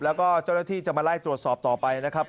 แล้วก็เจ้าหน้าที่จะมาไล่ตรวจสอบต่อไปนะครับ